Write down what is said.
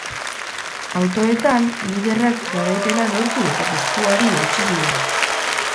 Autoetan, liderrak garaipena lortu eta postuari eutsi dio.